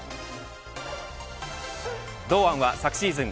堂安は昨シーズン